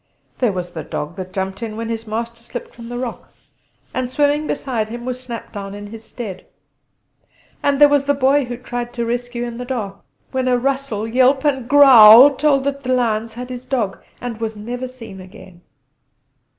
There was the dog that jumped in when his master slipped from the rock, and, swimming beside him, was snapped down in his stead! And there was the boy who tried a rescue in the dark when a rustle, yelp and growl told that the lions had his dog and was never seen again.